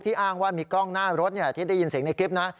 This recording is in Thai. อ้างว่ามีกล้องหน้ารถที่ได้ยินเสียงในคลิปนะ